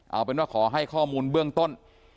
เอาเป็นว่าขอให้ข้อมูลเบื้องต้น